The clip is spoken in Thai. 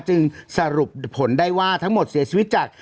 จึงสรุปผลได้ว่าทั้งหมดเสียชีวิตจาก